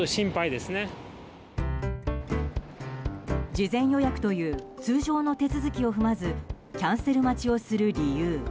事前予約という通常の手続きを踏まずキャンセル待ちをする理由。